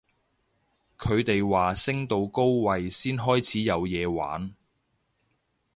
佢哋話升到高位先開始有嘢玩